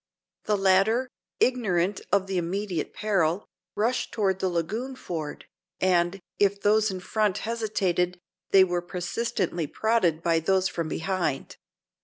The latter, ignorant of the immediate peril, rushed toward the lagoon ford, and, if those in front hesitated, they were persistently prodded by those from behind.